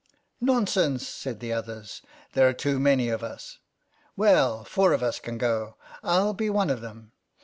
"Nonsense," said the others; "there are too many of us." "Well, four of us can go. I'll be one of them."